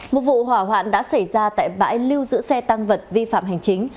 một vụ hỏa hoạn đã xảy ra tại bãi lưu giữ xe tăng vật vi phạm hành chính